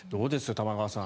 玉川さん。